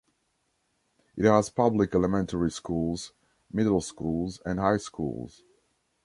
It has public elementary schools, middle schools, and high schools.